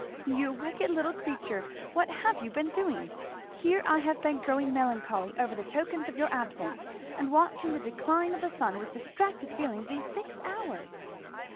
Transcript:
"You wicked little creature! what have you been doing? Here have I been growing melancholy over the tokens of your absence, and watching the decline of the sun with distracted feelings these six hours."